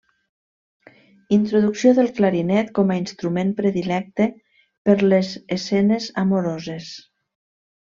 Introducció del clarinet com a instrument predilecte per les escenes amoroses.